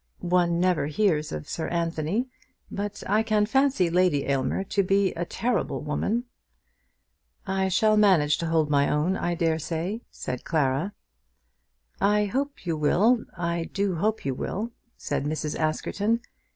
One never hears of Sir Anthony, but I can fancy Lady Aylmer to be a terrible woman." "I shall manage to hold my own, I dare say," said Clara. "I hope you will; I do hope you will," said Mrs. Askerton.